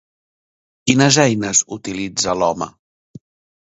Quines eines utilitza l'home?